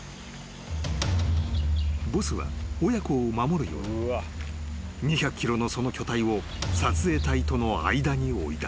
［ボスは親子を守るように２００ｋｇのその巨体を撮影隊との間に置いた］